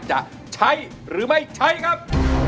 จะใช้หรือไม่ใช้ครับ